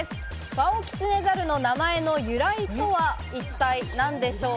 ワオキツネザルの名前の由来とは一体何でしょう？